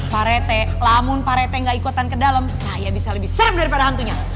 pak rete lamun pak rete gak ikutan ke dalam saya bisa lebih serem daripada hantunya